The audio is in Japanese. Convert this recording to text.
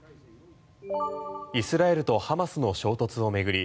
イスラエルとハマスの衝突を巡り